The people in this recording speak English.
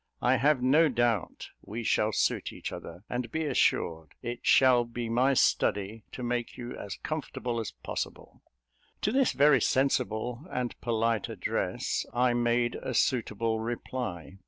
I have no doubt we shall suit each other; and be assured it shall be my study to make you as comfortable as possible." To this very sensible and polite address, I made a suitable reply.